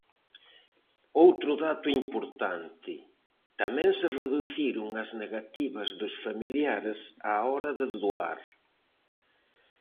Outro dato importante: tamén se reduciron as negativas dos familiares á hora de doar.